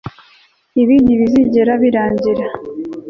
ibi ntibizigera birangira